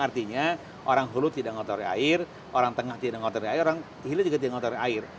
artinya orang hulu tidak mengotori air orang tengah tidak mengotori air orang hilir juga tidak mengotori air